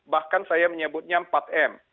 bahkan saya menyebutnya empat m